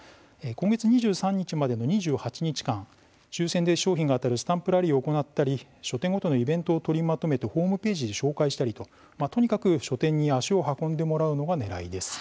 今月２３日までの２８日間抽せんで賞品が当たるスタンプラリーを行ったり書店ごとのイベントを取りまとめてホームページで紹介したりと、とにかく書店に足を運んでもらうのがねらいです。